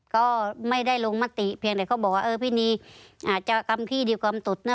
ก็ไม่ได้ลงมติเพียงแต่เขาบอกว่าเออพี่นีอาจจะกำพี่ดีกำตุดนะ